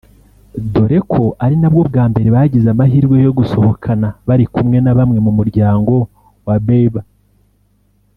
dore ko ari nabwo bwa mbere bagize amahirwe yo gusohokana bari kumwe na bamwe mu muryango wa Bieber